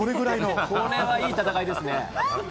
これはいい戦いですね。